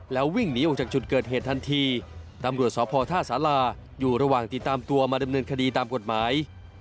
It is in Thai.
แล้ววิ่งหนีออกจากจุดเกิดเหตุทันทีตำรวจสพท่าสาราอยู่ระหว่างติดตามตัวมาดำเนินคดีตามกฎหมาย